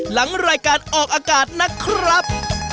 หลังรายการออกอากาศนะครับ